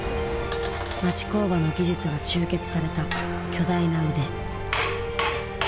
町工場の技術が集結された巨大な腕。